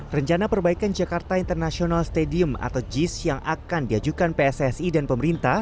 rencana perbaikan jakarta international stadium atau jis yang akan diajukan pssi dan pemerintah